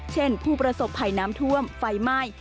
เช่นผู้ประสบภัยน้ำท่วมไฟม่าย